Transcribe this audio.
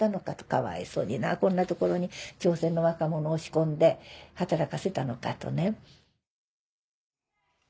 かわいそうになこんな所に朝鮮の若者押し込んで働かせたのかとね。